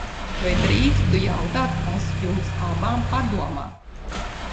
Vai drīkstu jautāt, kas jums abām padomā?